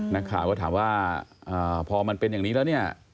นักข่าวก็ถามว่าพอมันเป็นอย่างนี้แล้วเนี่ย